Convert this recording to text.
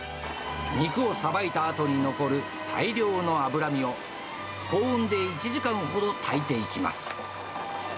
肉をさばいた後に残る大量の脂身を、高温で１時間ほど炊いていきます。